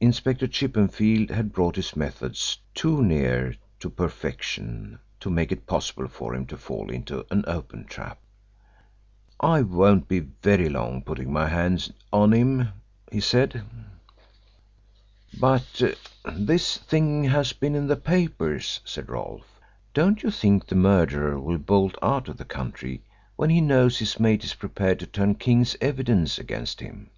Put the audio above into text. Inspector Chippenfield had brought his methods too near to perfection to make it possible for him to fall into an open trap. "I won't be very long putting my hand on him," he said. "But this thing has been in the papers," said Rolfe. "Don't you think the murderer will bolt out of the country when he knows his mate is prepared to turn King's evidence against him?"